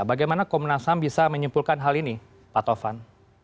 bagaimana komunasap bisa menyimpulkan hal ini pak tovan